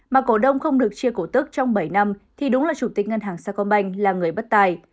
mà cổ đông không được chia cổ tức trong bảy năm thì đúng là chủ tịch ngân hàng sa công banh là người bất tài